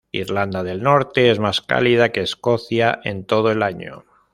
Irlanda del Norte es más cálida que Escocia en todo el año.